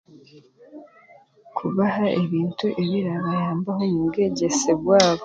Kubaha ebintu ebirabayambaho omu bwegyese bwabo.